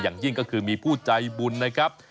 อย่างยิ่งก็คือมีผู้ใจบุญนะครับ